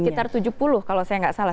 sekitar tujuh puluh kalau saya nggak salah